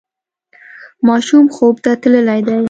ماشوم خوب ته تللی دی.